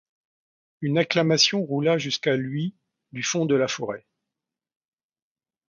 Une acclamation roula jusqu'à lui, du fond de la forêt.